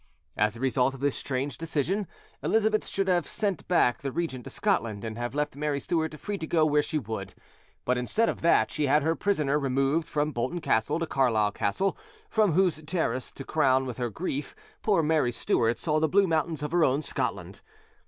As a result of this strange decision, Elizabeth should have sent back the regent to Scotland, and have left Mary Stuart free to go where she would. But, instead of that, she had her prisoner removed from Bolton Castle to Carlisle Castle, from whose terrace, to crown her with grief, poor Mary Stuart saw the blue mountains of her own Scotland.